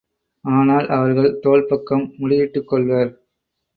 ஆனால் அவர்கள் தோள்பக்கம் முடியிட்டுக்கொள்வர்.